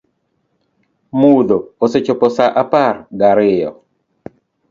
Mudho osechopo saa apar ga riyo